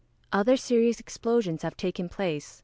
Other serious explosions have taken place.